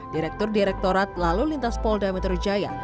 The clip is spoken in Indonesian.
direktur direktorat lalu lintas pol dameter jaya